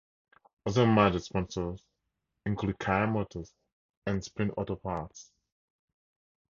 Other major sponsors include Kia Motors and Sprint Auto Parts.